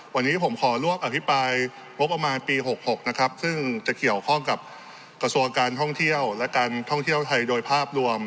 วันนี้ผมขอร่วมอภิปรายงบประมาณปี๖๖นะครับซึ่งจะเกี่ยวข้องกับกระทรวงการท่องเที่ยวและการท่องเที่ยวไทยโดยภาพรวม